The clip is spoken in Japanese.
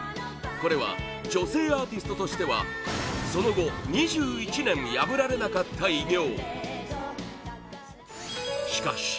これは女性アーティストとしてはその後、２１年破られなかった偉業！